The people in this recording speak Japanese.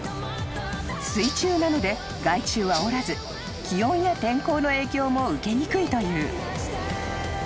［水中なので害虫はおらず気温や天候の影響も受けにくいという］